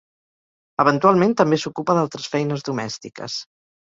Eventualment, també s'ocupa d'altres feines domèstiques.